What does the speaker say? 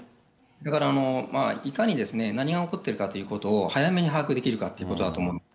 だから、いかに何が起こっているかということを早めに把握できるかっていうことだと思うんです。